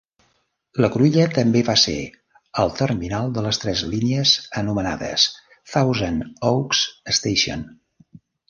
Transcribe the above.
La cruïlla també va ser el terminal de les tres línies, anomenades "Thousand Oaks Station".